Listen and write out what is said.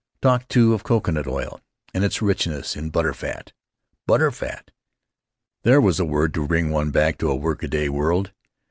Talk, too, of coconut oil and its richness in butter fat. Butter fat! There was a word to bring one back to a workaday world.